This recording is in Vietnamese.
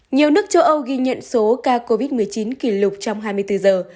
nhiều nước châu âu ghi nhận số ca covid một mươi chín kỷ lục trong hai mươi bốn giờ